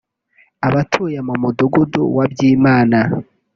Abatuye mu mudugudu wa Byimana